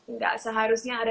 enggak seharusnya ada